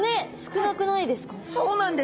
そうなんです。